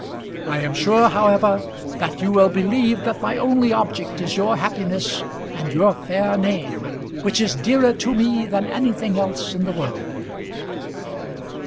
I am sure, however, that you will believe that my only object is your happiness and your fair name, which is dearer to me than anything else in the world."